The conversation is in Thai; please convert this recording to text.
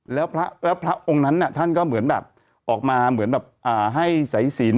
แล้วพระองค์นั้นท่านก็เหมือนแบบออกมาเหมือนแบบให้สายสิน